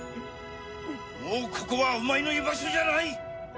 もうここはお前の居場所じゃない！